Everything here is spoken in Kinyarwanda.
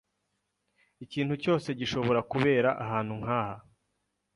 Ikintu cyose gishobora kubera ahantu nkaha.